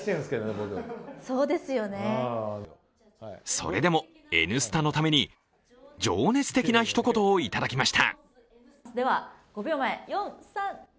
それでも「Ｎスタ」のために情熱的なひと言をいただきました。